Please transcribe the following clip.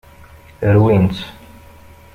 Rwin-tt.